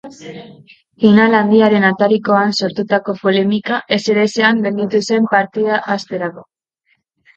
Final handiaren atarikoan sortutako polemika ezerezean gelditu zen partida hasterako.